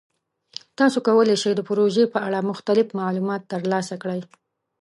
تاسو کولی شئ د پروژې په اړه مختلف معلومات ترلاسه کړئ.